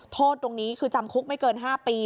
โทษตรงนี้คือจำคุกไม่เกิน๕ปี